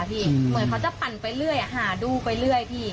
เหมือนเขาจะปั่นไปเรื่อยหาดูไปเรื่อยพี่